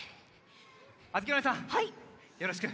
あづきおねえさんよろしく。